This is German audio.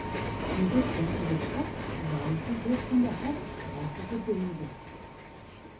Die rückwärtige Platzseite wird von der Hauptstraße gebildet.